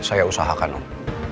saya usahakan om